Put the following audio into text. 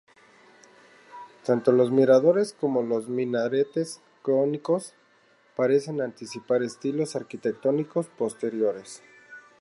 Tanto los miradores como los minaretes cónicos parecen anticipar estilos arquitectónicos posteriores.